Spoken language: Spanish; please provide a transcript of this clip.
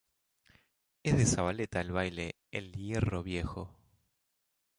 Es de Zabaleta el baile "El hierro viejo".